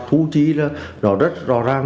thú trí là nó rất rõ ràng